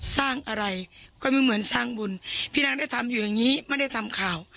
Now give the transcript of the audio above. สร้างอะไรก็ไม่เหมือนสร้างบุญพี่นางได้ทำอยู่อย่างนี้ไม่ได้ทำข่าว